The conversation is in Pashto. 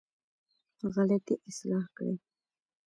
غلطي اصلاح کړې.